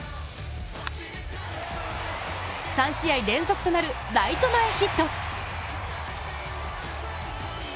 ３試合連続となる、ライト前ヒット。